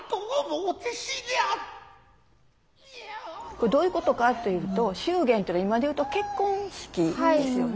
これどういうことかと言うと「祝言」て今でいうと「結婚式」ですよね。